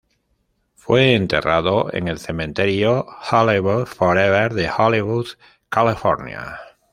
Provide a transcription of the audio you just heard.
Fue enterrada en el Cementerio Hollywood Forever de Hollywood, California.